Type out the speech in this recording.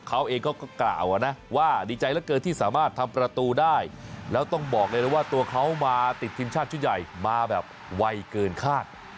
เขาเองก็กล่าวนะว่าดีใจเหลือเกินที่สามารถทำประตูได้แล้วต้องบอกเลยนะว่าตัวเขามาติดทีมชาติชุดใหญ่มาแบบไวเกินคาด